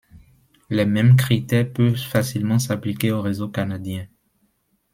Les mêmes critères peuvent facilement s’appliquer aux réseaux canadiens.